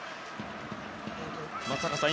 松坂さん